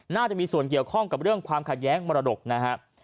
น่าจะมีส่วนเกี่ยวข้องกับเรื่องความขัดแย้งมรดกนะฮะ